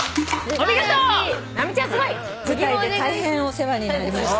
舞台で大変お世話になりました。